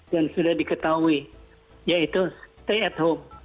dan sudah diketahui yaitu stay at home